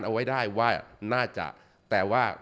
เอาไว้ได้ว่าน่าจะแต่ว่า